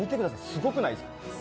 すごくないですか？